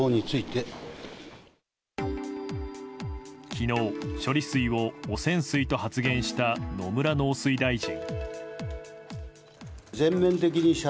昨日処理水を汚染水と発言した野村農水大臣。